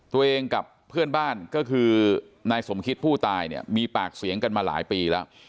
กับเพื่อนบ้านก็คือนายสมคิตผู้ตายเนี่ยมีปากเสียงกันมาหลายปีแล้ว